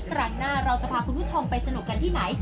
ครั้งหน้าเราจะพาคุณผู้ชมไปสนุกกันที่ไหน